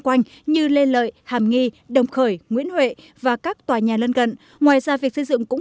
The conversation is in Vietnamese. quanh như lê lợi hàm nghi đồng khởi nguyễn huệ và các tòa nhà lân gần ngoài ra việc xây dựng cũng